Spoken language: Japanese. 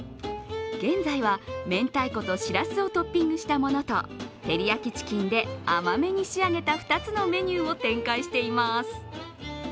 現在は、めんたいことしらすをトッピングしたものと照り焼きチキンで甘めに仕上げた２つのメニューを展開しています。